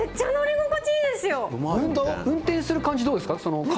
運転してる感じどうですか？